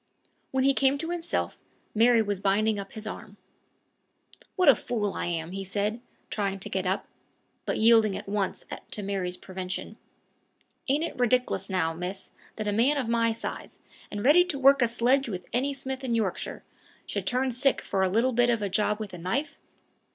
When he came to himself, Mary was binding up his arm. "What a fool I am!" he said, trying to get up, but yielding at once to Mary's prevention. "Ain't it ridic'lous now, miss, that a man of my size, and ready to work a sledge with any smith in Yorkshire, should turn sick for a little bit of a job with a knife?